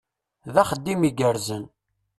D axeddim igerrzen.